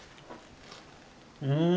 うん。